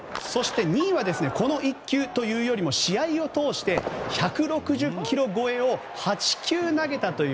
そして２位はこの一球というよりも試合を通して、１６０キロ超えを８球投げたという。